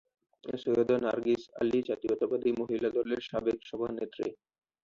সৈয়দা নার্গিস আলী জাতীয়তাবাদী মহিলা দলের সাবেক সভানেত্রী।